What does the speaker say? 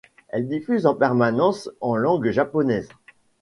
Elle diffuse en permanence en langue japonaise.